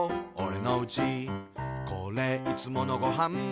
「これ、いつものごはん」